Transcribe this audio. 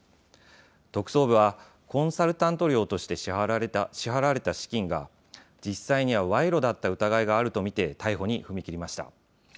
特捜部はコンサルタント料として支払われた資金が実際には賄賂だった疑いがあると見て逮捕に踏み切りました。